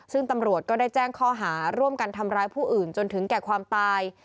ซึ่งตำรวจก็ได้แจ้งข้อหาร่วมกันทำร้ายผู้อื่นจนถึงแก่ความตาย